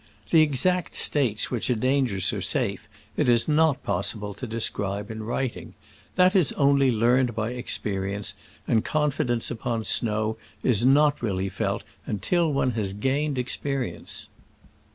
The exact states which are dangerous or safe it is not possible to describe in writing. That is only learnt by experience, and confidence upon snow is not really felt until one has gained experience.